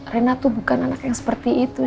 rena tuh bukan anak yang seperti itu